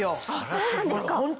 そうなんですか？